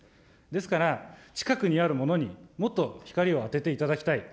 ですから、近くにあるものにもっと光を当てていただきたい。